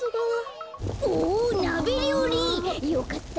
なべりょうり！よかった。